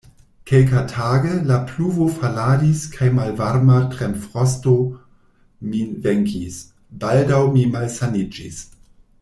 Kelkatage, la pluvo faladis kaj malvarma tremfrosto min venkis; baldaŭ mi malsaniĝis.